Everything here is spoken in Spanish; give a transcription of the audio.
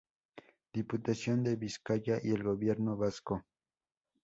Diputación de Vizcaya y el Gobierno Vasco.